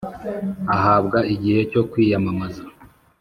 ahabwa igihe cyo kwiyamamaza